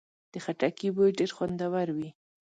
د خټکي بوی ډېر خوندور وي.